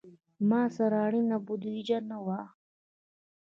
ما سره اړینه بودیجه نه وه.